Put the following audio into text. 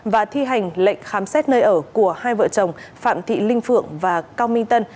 và thi hành lệnh khám xét nơi ở của hai vợ chồng phạm thị linh phượng và cao minh tân